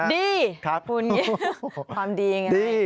ดีคุณคุณค่ะความดีอย่างไร